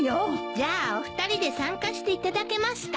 じゃあお二人で参加していただけますか？